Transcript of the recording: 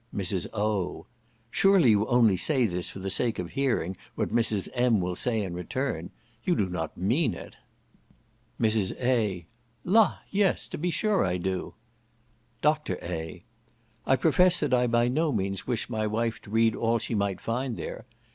Mrs. O. "Surely you only say this for the sake of hearing what Mrs. M. will say in return—you do not mean it?" Mrs. A. "La, yes! to be sure I do." Dr. A. "I profess that I by no means wish my wife to read all she might find there.